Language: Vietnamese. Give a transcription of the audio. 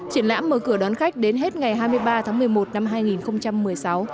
triển lãm mở cửa đón khách đến hết ngày hai mươi ba tháng một mươi một năm hai nghìn một mươi sáu